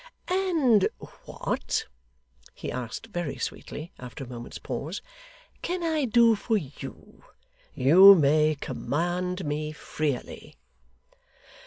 And what,' he asked very sweetly, after a moment's pause, 'can I do for you? You may command me freely.